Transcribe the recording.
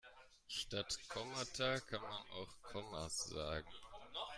Statt Kommata kann man auch Kommas sagen.